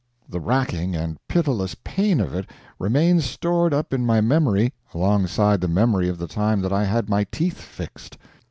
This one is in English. The racking and pitiless pain of it remains stored up in my memory alongside the memory of the time that I had my teeth fixed.